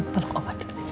tolong oma disini